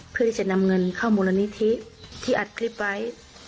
เพื่อที่จะนำเงินเข้ามูลนิธิที่อัดคลิปไว้